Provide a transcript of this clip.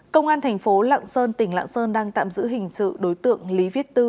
công an thành phố lạng sơn tỉnh lạng sơn đang tạm giữ hình sự đối tượng lý viết tư